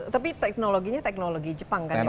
tapi teknologinya teknologi jepang kan untuk ini